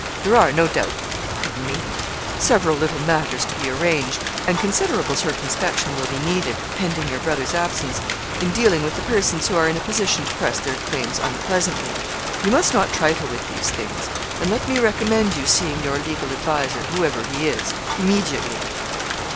There are, no doubt pardon me several little matters to be arranged; and considerable circumspection will be needed, pending your brother's absence, in dealing with the persons who are in a position to press their claims unpleasantly. You must not trifle with these things. And let me recommend you seeing your legal adviser, whoever he is, immediately.'